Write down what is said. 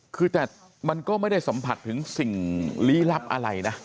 คือแต่มันก็ไม่ได้สัมผัสถึงสิ่งลี้ลับอะไรนะ